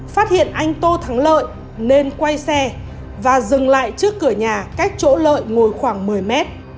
phát hiện anh tô thắng lợi nên quay xe và dừng lại trước cửa nhà cách chỗ lợi ngồi khoảng một mươi mét